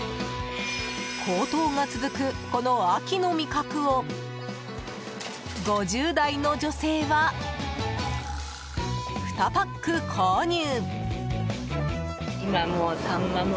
高騰が続く、この秋の味覚を５０代の女性は２パック購入。